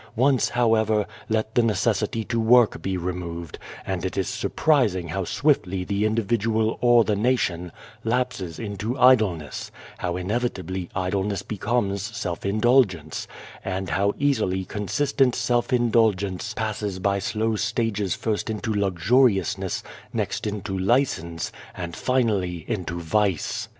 Once, however, let the necessity to work be removed, and it is sur prising how swiftly the individual or the nation lapses into idleness, how inevitably idleness becomes self indulgence, and how easily con sistent self indulgence passes by slow stages first into luxuriousness, next into licence, and finally into vice.